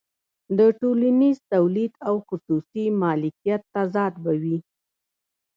د ټولنیز تولید او خصوصي مالکیت تضاد به وي